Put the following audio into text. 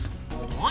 何？